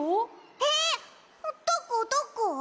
えっどこどこ？